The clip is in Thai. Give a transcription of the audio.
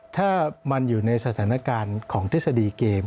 ถ้ามันอยู่ในสถานการณ์ของทฤษฎีเกม